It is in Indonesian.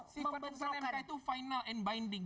si pendaftaran mk itu final and binding